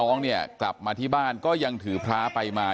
ผู้ชมครับท่านผู้ชมครับท่าน